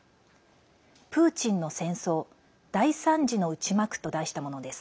「プーチンの戦争大惨事の内幕」と題したものです。